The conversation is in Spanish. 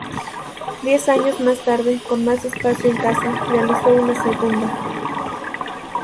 Diez años más tarde, con más espacio en casa, realizó una segunda.